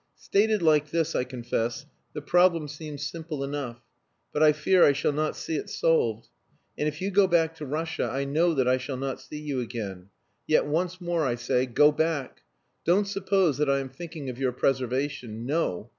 "Stated like this," I confessed, "the problem seems simple enough. But I fear I shall not see it solved. And if you go back to Russia I know that I shall not see you again. Yet once more I say: go back! Don't suppose that I am thinking of your preservation. No!